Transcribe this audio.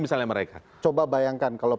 misalnya mereka coba bayangkan kalau